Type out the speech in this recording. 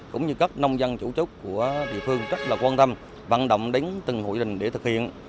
cũng như các nông dân chủ chốt của địa phương rất là quan tâm vận động đến từng hội đình để thực hiện